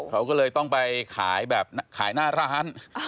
เขาก็เลยต้องไปขายแบบขายหน้าร้าน